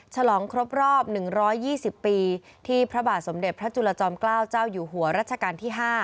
ฉลองครบรอบ๑๒๐ปีที่พระบาทสมเด็จพระจุลจอมเกล้าเจ้าอยู่หัวรัชกาลที่๕